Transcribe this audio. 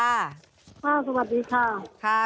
สวัสดีค่ะ